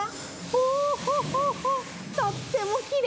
ホホホホとってもきれい！